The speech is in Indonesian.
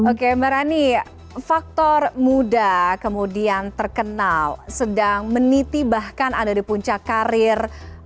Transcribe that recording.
oke mbak rani faktor muda kemudian terkenal sedang menitibahkan anda di puncak karir